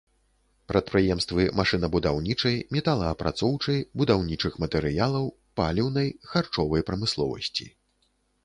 Прадпрыемствы машынабудаўнічай, металаапрацоўчай, будаўнічых матэрыялаў, паліўнай, харчовай прамысловасці.